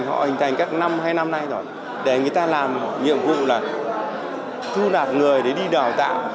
họ hình thành các năm hay năm nay rồi để người ta làm nhiệm vụ là thu đạt người để đi đào tạo